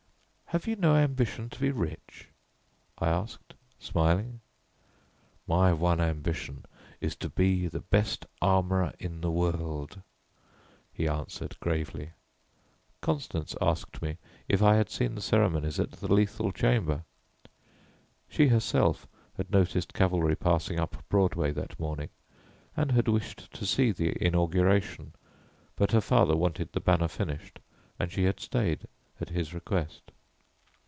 "Have you no ambition to be rich?" I asked, smiling. "My one ambition is to be the best armourer in the world," he answered gravely. Constance asked me if I had seen the ceremonies at the Lethal Chamber. She herself had noticed cavalry passing up Broadway that morning, and had wished to see the inauguration, but her father wanted the banner finished, and she had stayed at his request.